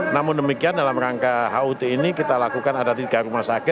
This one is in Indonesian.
namun demikian dalam rangka hut ini kita lakukan ada tiga rumah sakit